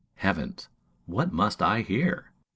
Heavens! what must I hear?